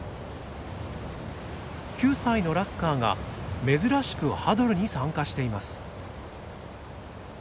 ９歳のラスカーが珍しくハドルに参加しています。